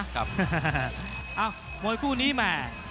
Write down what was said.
โอ้โหโดนเขาก็ไปตามนั้นเลยนะ